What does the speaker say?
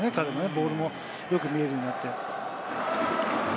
ボールもよく見えるようになって。